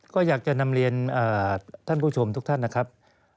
ก็อยากจะนำเรียนท่านผู้ชมทุกท่านนะครับ